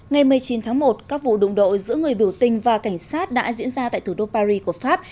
ngày một mươi chín tháng một các vụ đụng độ giữa người biểu tình và cảnh sát đã diễn ra tại thủ đô paris của pháp